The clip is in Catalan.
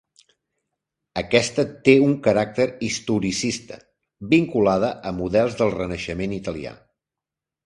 Aquesta té un caràcter historicista, vinculada a models del Renaixement italià.